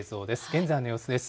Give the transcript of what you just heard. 現在の様子です。